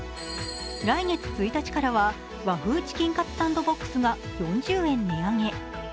来月１日からは和風チキンカツサンドボックスが４０円値上げ。